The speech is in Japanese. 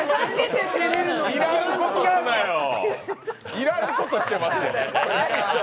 要らんことしてます。